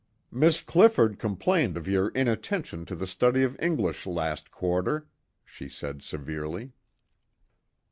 "Miss Clifford complained of your inattention to the study of English last quarter," she said severely.